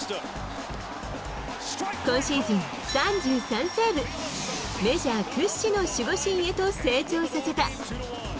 今シーズン、３３セーブ、メジャー屈指の守護神へと成長させた。